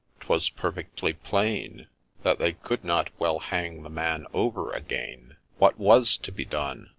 — 'twas perfectly plain That they could not well hang the man over again :• What was to be done